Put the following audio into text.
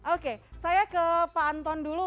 oke saya ke pak anton dulu